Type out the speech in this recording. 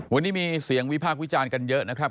วันนี้มีเสียงวิพากษ์วิจารณ์กันเยอะนะครับ